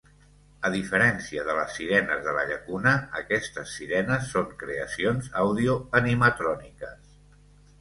A diferència de les sirenes de la llacuna, aquestes sirenes són creacions àudio-animatròniques.